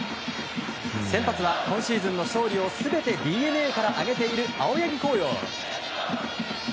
先発は今シーズンの勝利を全てＤｅＮＡから挙げている青柳晃洋。